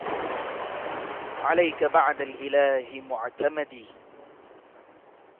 عليك بعد الإله معتمدي